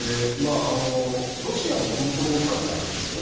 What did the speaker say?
ロシアのコントロール下にあるんですよね。